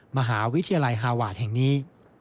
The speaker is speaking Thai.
มหาวิทยาลัยฮาวาสแห่งนี้